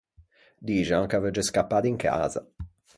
Dixan ch’a veugge scappâ d’in casa.